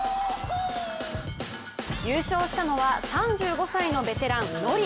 優勝したのは３５歳のベテラン、ＮＯＲＩ。